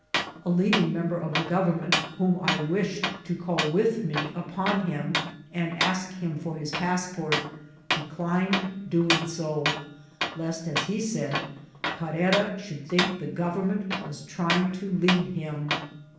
A leading member of the government, whom I wished to call with me upon him and ask him for his passport, declined doing so, lest, as he said, Carrera should think the government was trying to lead him.